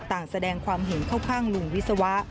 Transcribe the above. ต่างแสดงความเห็นเข้าข้างลุงวิศวะ